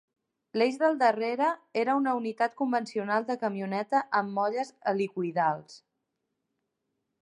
L'eix del darrere era una unitat convencional de camioneta amb molles helicoïdals.